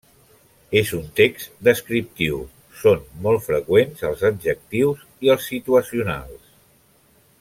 En un text descriptiu, són molt freqüents els adjectius i els situacionals.